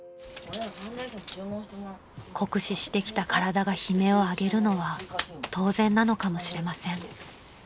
［酷使してきた体が悲鳴を上げるのは当然なのかもしれません］